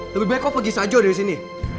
lebih baik kok pergi sajo dari sini